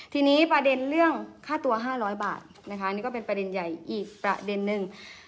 ทีนี้ประเด็นเรื่องค่าตัว๕๐๐บาทนะคะนี่ก็เป็นประเด็นใหญ่อีกประเด็นนึง